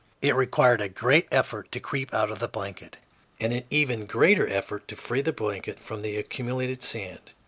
It required a great effort to creep out of the blanket, and an even greater effort to free the blanket from the accumulated sand.